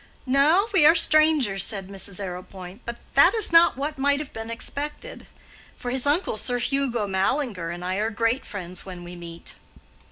"No; we are strangers," said Mrs. Arrowpoint. "But that is not what might have been expected. For his uncle Sir Hugo Mallinger and I are great friends when we meet."